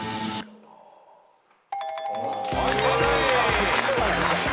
はい正解！